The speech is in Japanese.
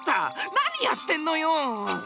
何やってんのよ！